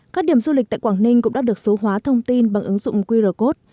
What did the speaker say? các điểm du lịch tại quảng ninh cũng đã được số hóa thông tin bằng ứng dụng qr code